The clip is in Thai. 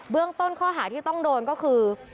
เบื้องต้นข้อหาที่ต้องโดนก็คือ